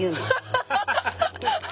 ハハハハ！